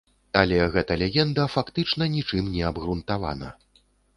Але гэта легенда фактычна нічым не абгрунтавана.